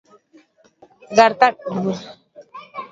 Gertakari larri horrek brasilgo gizartea asaldatu du.